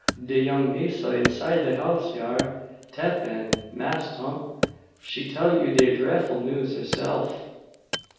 de young missa inside de house yar, 'Tep in, Mass' 'Tump. She tell you de drefful news herseff."